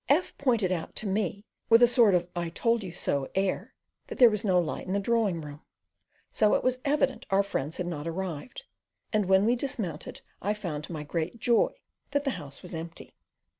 F pointed out to me, with a sort of "I told you so" air, that there was no light in the drawing room so it was evident our friends had not arrived; and when we dismounted I found, to my great joy, that the house was empty.